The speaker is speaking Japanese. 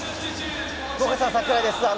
福岡さん、櫻井です。